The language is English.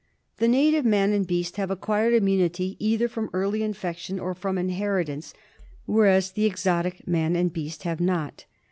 The native man and beast have acquired immunity either from early infection or from inheritance, whereas the exotic man and beast have not.